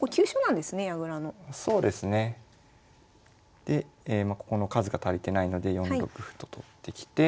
でここの数が足りてないので４六歩と取ってきて。